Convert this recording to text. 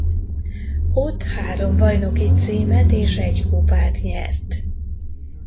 Ott három bajnoki címet és egy kupát nyert.